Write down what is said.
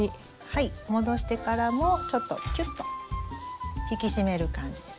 はい戻してからもちょっとキュッと引き締める感じで。